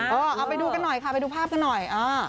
เอาไปดูกันหน่อยค่ะไปดูภาพกันหน่อย